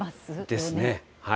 ですね。